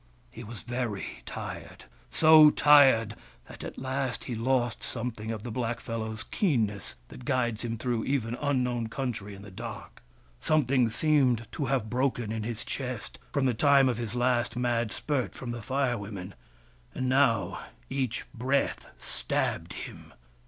He was very tired — so tired that at last he lost something of the blackfellow's keenness that guides him through even unknown country in the dark. Something seemed to have broken in his chest, from the time of his last mad spurt from the Fire Women, and now each breath stabbed him.